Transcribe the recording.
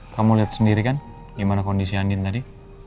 kamu lihat sendiri kan gimana kondisi andin tadi